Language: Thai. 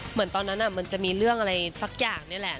เหมือนตอนนั้นมันจะมีเรื่องอะไรสักอย่างนี่แหละ